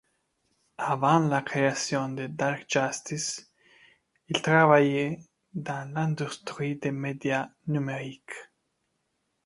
Avant la création de Dark Justice, ils travaillaient dans l’industrie des médias numériques.